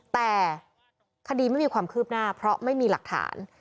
แต่คดีไม่มีความคืบหน้าเพราะไม่มีหลักฐาน